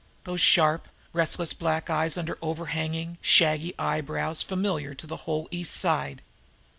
Those sharp, restless black eyes under over hanging, shaggy eyebrows were familiar to the whole East Side.